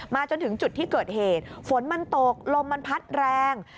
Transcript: จนถึงจุดที่เกิดเหตุฝนมันตกลมมันพัดแรง